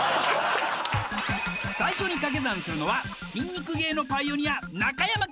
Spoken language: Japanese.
最初にかけ算するのは筋肉芸のパイオニア